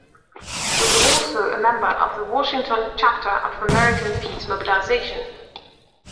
He was also a member of the Washington Chapter of American Peace Mobilization.